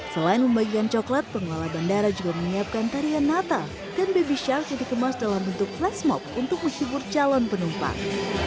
selain membagikan coklat pengelola bandara juga menyiapkan tarian natal dan baby shark yang dikemas dalam bentuk flashmob untuk mensyukur calon penumpang